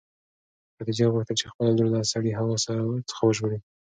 خدیجې غوښتل چې خپله لور له سړې هوا څخه وژغوري.